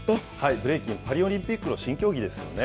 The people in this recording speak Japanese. ブレイキン、パリオリンピックの新競技ですよね。